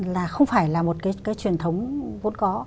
là không phải là một cái truyền thống vốn có